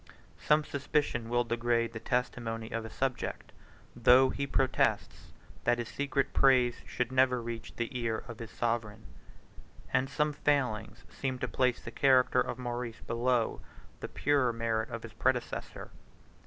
Some suspicion will degrade the testimony of a subject, though he protests that his secret praise should never reach the ear of his sovereign, 31 and some failings seem to place the character of Maurice below the purer merit of his predecessor.